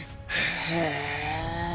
へえ！